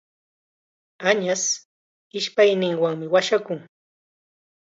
Añas ishpayninwanmi washakun.